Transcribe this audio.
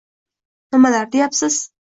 Nimalar deyapsiz